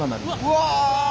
うわ！